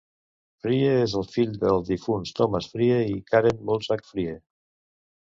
Frye és el fill dels difunts Thomas Frye i Karen Mulzac-Frye.